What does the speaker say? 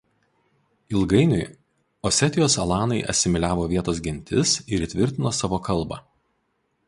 Ilgainiui Osetijos alanai asimiliavo vietos gentis ir įtvirtino savo kalbą.